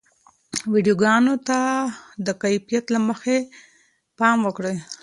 ویډیوګانو ته د کیفیت له مخې پام وکړئ.